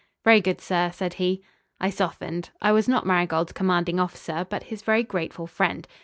"Very good, sir," said he. I softened. I was not Marigold's commanding officer, but his very grateful friend.